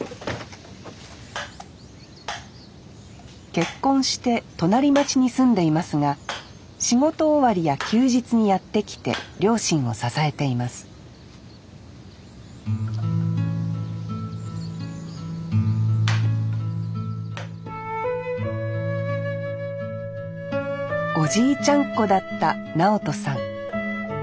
結婚して隣町に住んでいますが仕事終わりや休日にやって来て両親を支えていますおじいちゃんっ子だった直豊さん。